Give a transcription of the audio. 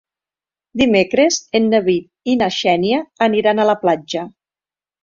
Dimecres en David i na Xènia aniran a la platja.